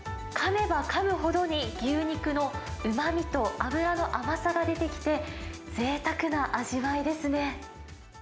かめばかむほどに、牛肉のうまみと脂の甘さが出てきて、ぜいたくな味わいですね。